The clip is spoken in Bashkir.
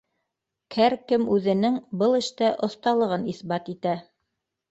Кәр кем үҙенең был эштә оҫталығын иҫбат итә.